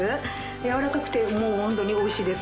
やわらかくてもう本当に美味しいです。